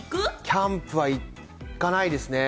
キャンプは行かないですね。